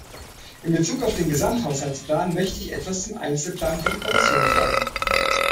In Bezug auf den Gesamthaushaltsplan möchte ich etwas zum Einzelplan für die Kommission sagen.